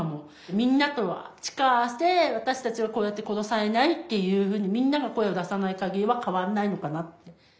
みんなと力を合わせて私たちはこうやって殺されないっていうふうにみんなが声を出さない限りは変わんないのかなって。